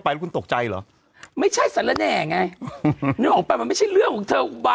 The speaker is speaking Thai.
ไปเยอะมากแล้ว